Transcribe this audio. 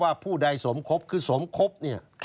ผู้ใดสมคบคือสมคบเนี่ย